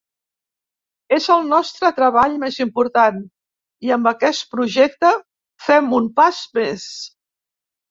És el nostre treball més important i amb aquest projecte fem un pas més.